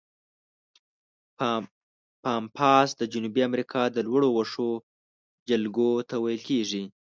پامپاس د جنوبي امریکا د لوړو وښو جلګو ته ویل کیږي.